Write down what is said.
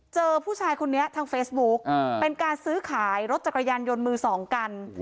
เจอผู้ชายคนนี้ทางเฟซบุ๊กเป็นการซื้อขายรถจักรยานยนต์มือสองกัน